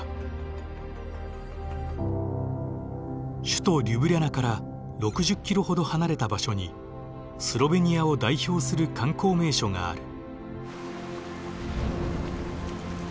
首都リュブリャナから６０ｋｍほど離れた場所にスロベニアを代表する観光名所がある。